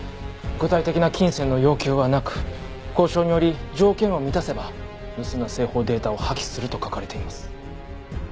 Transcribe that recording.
具体的な金銭の要求はなく「交渉により条件を満たせば盗んだ製法データを破棄する」と書かれています。